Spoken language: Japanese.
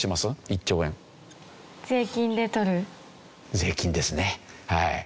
税金ですねはい。